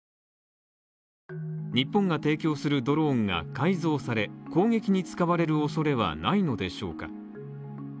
日本が提供するドローンが改造され、攻撃に使われる恐れはないのでしょうか？